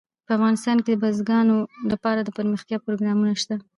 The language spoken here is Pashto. په افغانستان کې د بزګانو لپاره دپرمختیا پروګرامونه شته.